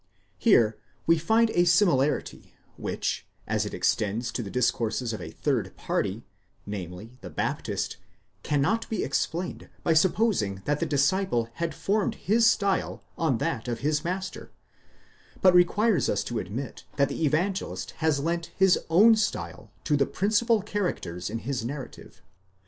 Here we find a similarity,"* which, as it extends to the discourses of a third party, namely, the Baptist, cannot be explained by supposing that the disciple had formed his style on that of the master, but requires us to admit that the Evangelist has lent his own style to the principal characters in his narrative.